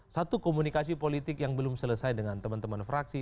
satu komunikasi politik yang belum selesai dengan teman teman fraksi